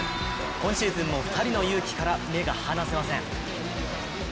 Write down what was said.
今シーズンも２人のユウキから目が離せません。